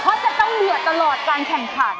เพราะจะต้องเดือดตลอดการแข่งขัน